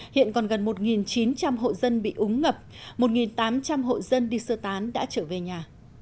hiện còn gần một chín trăm linh hộ dân bị úng ngập một tám trăm linh hộ dân đi sơ tán đã trở về nhà